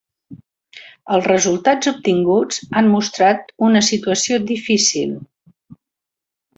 Els resultats obtinguts han mostrat una situació difícil.